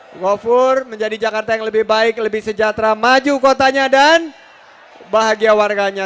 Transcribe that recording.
mengofur menjadi jakarta yang lebih baik lebih sejahtera maju kotanya dan bahagia warganya